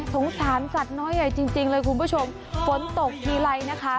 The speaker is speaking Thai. สงสารสัตว์น้อยใหญ่จริงจริงเลยคุณผู้ชมฝนตกทีไรนะคะ